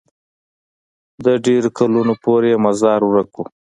د ډېرو کلونو پورې یې مزار ورک وو.